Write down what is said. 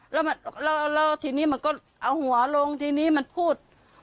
แล้วทีนี้มันก็เอาหัวลงทีนี้มันพูด